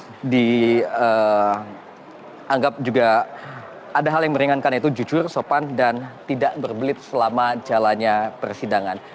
yang dianggap juga ada hal yang meringankan yaitu jujur sopan dan tidak berbelit selama jalannya persidangan